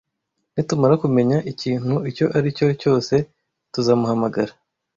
Nitumara kumenya ikintu icyo ari cyo cyose, tuzamuhamagara.